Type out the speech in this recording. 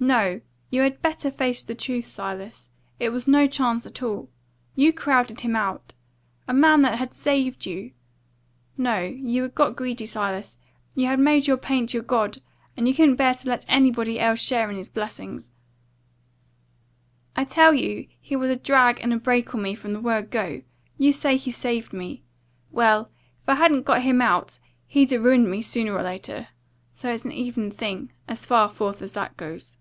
"No; you had better face the truth, Silas. It was no chance at all. You crowded him out. A man that had saved you! No, you had got greedy, Silas. You had made your paint your god, and you couldn't bear to let anybody else share in its blessings." "I tell you he was a drag and a brake on me from the word go. You say he saved me. Well, if I hadn't got him out he'd 'a' ruined me sooner or later. So it's an even thing, as far forth as that goes."